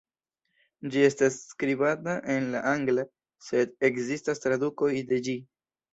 Ĝi estas skribata en la angla, sed ekzistas tradukoj de ĝi.